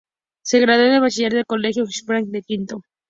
Se graduó de bachiller en el Colegio Spellman de Quito.